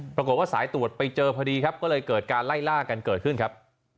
ปรากฏว่าสายตรวจไปเจอพอดีครับก็เลยเกิดการไล่ล่ากันเกิดขึ้นครับ